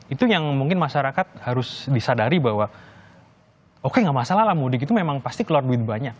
itu yang mungkin masyarakat harus disadari bahwa oke nggak masalah lah mudik itu memang pasti keluar duit banyak